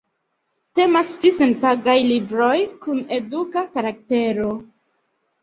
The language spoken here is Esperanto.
Temas pri senpagaj libroj kun eduka karaktero.